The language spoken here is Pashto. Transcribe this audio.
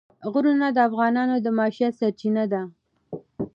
غرونه د افغانانو د معیشت سرچینه ده.